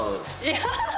ハハハハ！